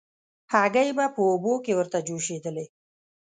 هګۍ به په اوبو کې ورته جوشېدلې.